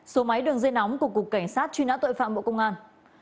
số máy đường dây nóng của cục cảnh sát truy nã tội phạm bộ công an